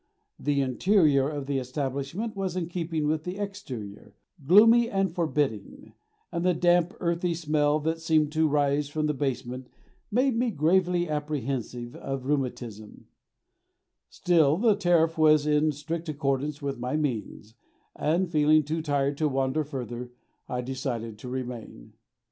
The interior of the establishment was in keeping with the exterior gloomy and forbidding, and the damp, earthy smell that seemed to rise from the basement made me gravely apprehensive of rheumatism; still the tariff was in strict accordance with my means, and feeling too tired to wander further, I decided to remain.